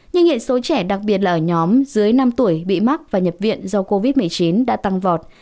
nhưng hiện số trẻ đặc biệt là ở nhóm dưới năm tuổi bị mắc và nhập viện do covid một mươi chín đã tăng vọt